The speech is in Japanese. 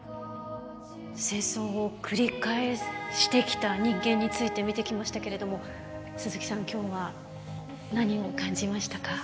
戦争を繰り返してきた人間について見てきましたけれども鈴木さん今日は何を感じましたか？